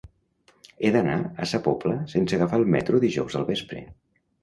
He d'anar a Sa Pobla sense agafar el metro dijous al vespre.